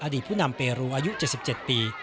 อดีตผู้นำเบรูอายุ๗๗ปี